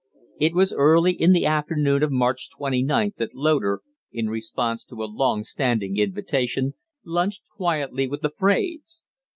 It was early in the afternoon of March 29th that Loder, in response to a long standing invitation, lunched quietly with the Fraides.